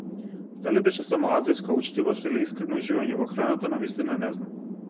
Дали беше само азиска учтивост или искрено уживање во храната навистина не знам.